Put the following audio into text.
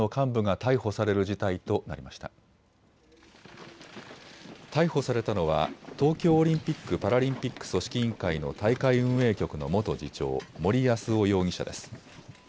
逮捕されたのは東京オリンピック・パラリンピック組織委員会の大会運営局の元次長、森泰夫容疑者です。